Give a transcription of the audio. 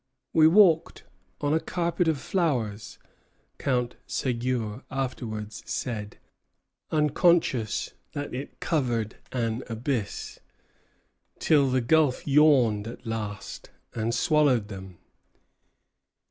"We walked on a carpet of flowers," Count Ségur afterwards said, "unconscious that it covered an abyss;" till the gulf yawned at last, and swallowed them.